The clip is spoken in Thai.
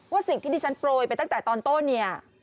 ว่าสิ่งที่นี่ฉันโปรยไปตั้งแต่ตอนต้นนี้